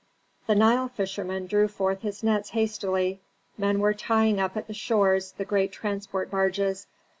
The Nile fisherman drew forth his nets hastily, men were tying up at the shores the great transport barges.